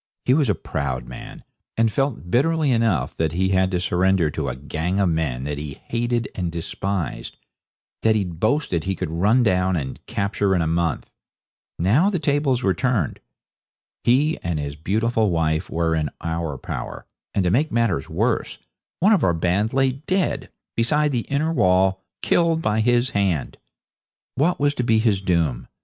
He was a proud man, and felt bitterly enough that he had to surrender to a gang of men that he hated and despised, that he'd boasted he could run down and capture in a month. Now the tables were turned. He and his beautiful wife were in our power, and, to make matters worse, one of our band lay dead, beside the inner wall, killed by his hand. What was to be his doom?